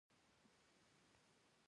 ایا ستاسو حوصله پراخه نه ده؟